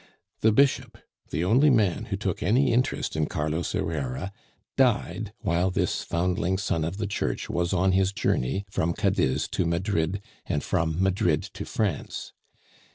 The bishop, the only man who took any interest in Carlos Herrera, died while this foundling son of the Church was on his journey from Cadiz to Madrid, and from Madrid to France.